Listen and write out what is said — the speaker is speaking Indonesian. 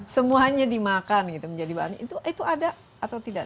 semuanya dimakan itu ada atau tidak